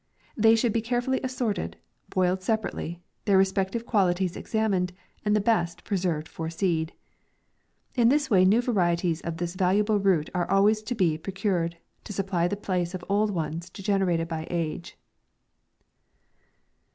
They should be care fully assorted, boiled separately, their re spective qualities examined, and the best pre served for seed. In this way new varieties of this valuable root are always to be procur ed, to supply the place of old ones degene rated by age.